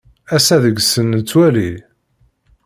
Ass-a deg-sen nettwali.